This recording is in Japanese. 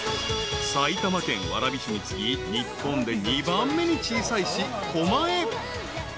［埼玉県蕨市に次ぎ日本で２番目に小さい市狛江］